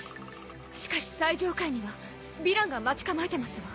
しかし最上階にはヴィランが待ち構えてますわ。